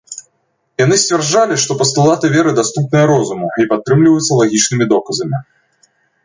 Яны сцвярджалі, што пастулаты веры даступныя розуму і падтрымліваюцца лагічнымі доказамі.